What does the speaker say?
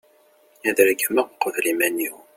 ad regmeɣ uqbel iman-iw